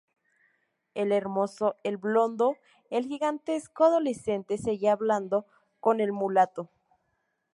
el hermoso, el blondo, el gigantesco adolescente, seguía hablando con el mulato